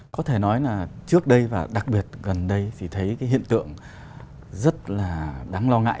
có thể nói là trước đây và đặc biệt gần đây thì thấy cái hiện tượng rất là đáng lo ngại